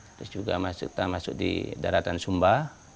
terus juga kita masuk di daratan sumba